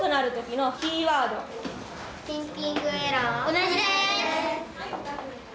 同じです！